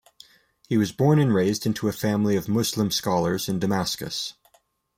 He was born and raised into a family of Muslim scholars in Damascus.